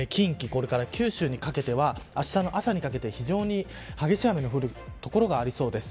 それから九州にかけてはあしたの朝にかけて非常に激しい雨の降る所がありそうです。